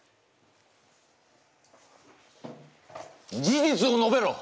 事実をのべろ。